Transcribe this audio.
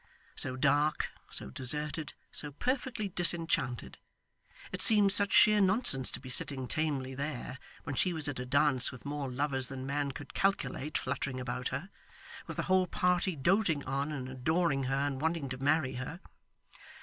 So dark, so deserted, so perfectly disenchanted. It seemed such sheer nonsense to be sitting tamely there, when she was at a dance with more lovers than man could calculate fluttering about her with the whole party doting on and adoring her, and wanting to marry her.